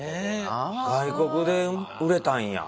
外国で売れたんや。